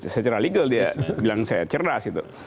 secara legal dia bilang saya cerdas itu